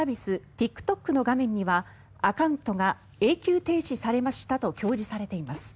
ＴｉｋＴｏｋの画面にはアカウントが永久停止されましたと表示されています。